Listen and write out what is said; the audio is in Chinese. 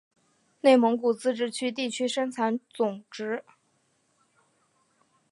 内蒙古自治区地区生产总值